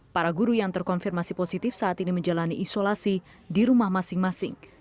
para guru yang terkonfirmasi positif saat ini menjalani isolasi di rumah masing masing